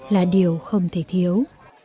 là điều không thể thiếu